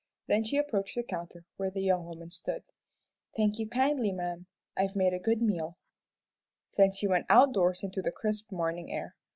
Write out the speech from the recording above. Then she approached the counter where the young woman stood. "Thank you kindly, ma'am. I've made a good meal." Then she went outdoors into the crisp morning air.